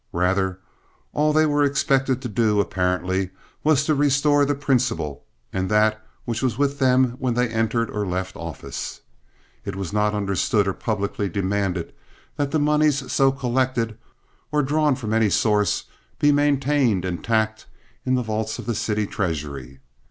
Rather, all they were expected to do, apparently, was to restore the principal and that which was with them when they entered or left office. It was not understood or publicly demanded that the moneys so collected, or drawn from any source, be maintained intact in the vaults of the city treasury.